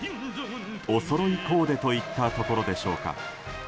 おそろいコーデといったところでしょうか。